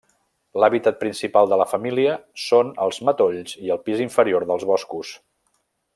L'hàbitat principal de la família són els matolls i el pis inferior dels boscos.